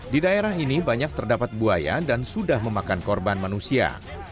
di daerah ini banyak terdapat buaya dan sudah memakan korban manusia